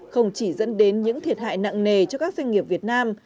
không chỉ dẫn đến những thiệt hại nặng nề cho các doanh nghiệp việt nam